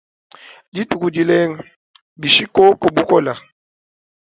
Dituku dilenga, bishi koku bukola ?